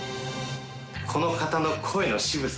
この方の声の渋さ。